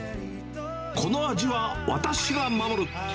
この味は私が守る。